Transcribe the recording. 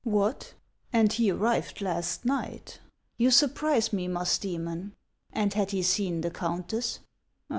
" What ! and he arrived last night ! You surprise me, Musdcemon. And had he seen the countess